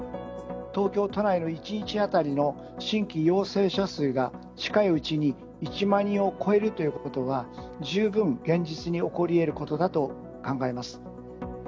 東京都内の１日当たりの新規陽性者数が、近いうちに１万人を超えるということは、十分現実に起こりえることだと考えます。